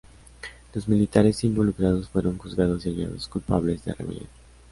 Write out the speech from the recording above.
Los militares involucrados fueron juzgados y hallados culpables de rebelión.